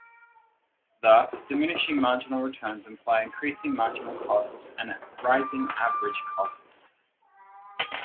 Thus, diminishing marginal returns imply increasing marginal costs and rising average costs.